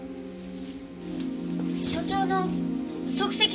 所長の足跡の。